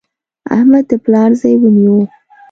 احمد د پلار ځای ونیو.